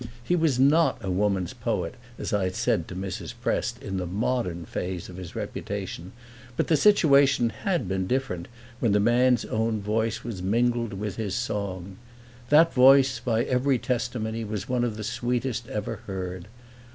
He was not a woman's poet, as I had said to Mrs. Prest, in the modern phase of his reputation; but the situation had been different when the man's own voice was mingled with his song. That voice, by every testimony, was one of the sweetest ever heard.